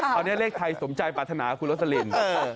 ตอนนี้เลขไทยสมใจปรารถนาคุณโรสลิน